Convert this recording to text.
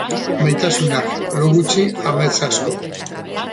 Maitasunak lo gutxi, amets asko.